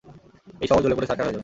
এই শহর জ্বলেপুড়ে ছারখার হয়ে যাবে।